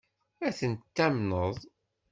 Ad tent-tamneḍ?